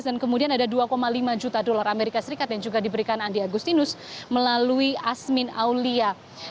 dan kemudian ada dua lima juta dolar as yang juga diberikan andi agustinus melalui asmin aulia